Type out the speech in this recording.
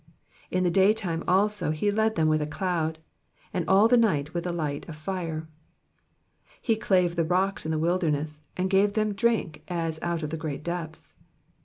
14 In the daytime also he led them with a cloud, and all the night with a light of fire. 15 He clave the rocks in the wilderness, and gave /A^/« drink as out of the great depths.